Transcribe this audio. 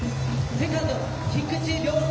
セカンド、菊池涼介！